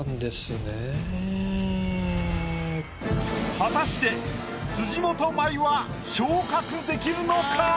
果たして辻元舞は昇格できるのか？